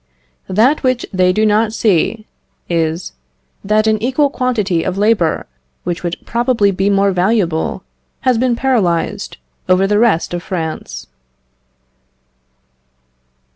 That which they do not see is, that an equal quantity of labour, which would probably be more valuable, has been paralyzed over the rest of France.